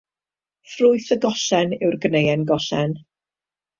Ffrwyth y gollen yw'r gneuen gollen.